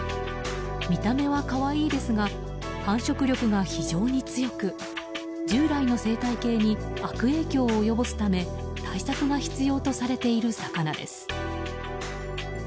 見た目は可愛いですが繁殖力が非常に強く従来の生態系に悪影響を及ぼすため対策が必要とされている魚です。